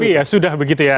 baik tapi ya sudah begitu ya